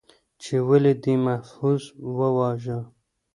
، چې ولې دې محفوظ وواژه؟